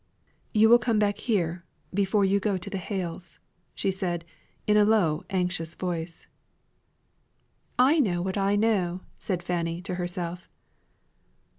"You will come back here before you go to the Hales'," said she, in a low, anxious voice. "I know what I know," said Fanny to herself.